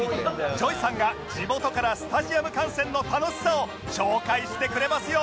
ＪＯＹ さんが地元からスタジアム観戦の楽しさを紹介してくれますよ